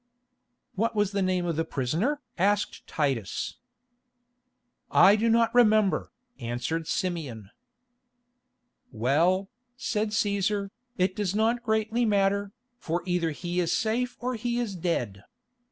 "What was the name of the prisoner?" asked Titus. "I do not remember," answered Simeon. "Well," said Cæsar, "it does not greatly matter, for either he is safe or he is dead.